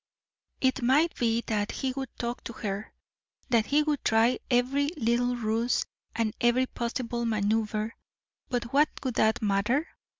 It might be that he would talk to her, that he would try every little ruse and every possible maneuver, but what would that matter?